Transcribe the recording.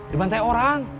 di bantai orang